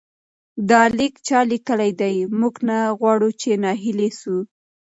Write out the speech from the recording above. دا لیک چا لیکلی دی؟ موږ نه غواړو چې ناهیلي سو.